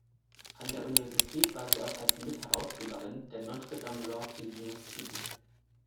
An der Universität war sie auch als Mitherausgeberin der Notre Dame Law Review tätig.